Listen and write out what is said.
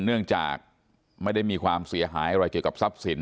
เนื่องจากไม่ได้มีความเสียหายอะไรเกี่ยวกับทรัพย์สิน